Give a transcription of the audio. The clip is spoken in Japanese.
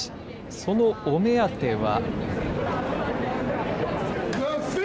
そのお目当ては。